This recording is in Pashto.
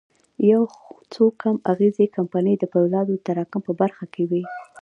يو څو کم اغېزه کمپنۍ د پولادو د تراکم په برخه کې وې.